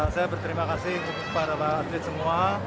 saya berterima kasih kepada pak atlet semua